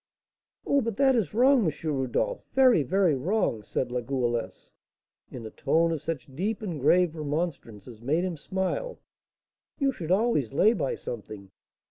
"Oh, but that is wrong, M. Rodolph, very, very wrong!" said La Goualeuse, in a tone of such deep and grave remonstrance as made him smile. "You should always lay by something.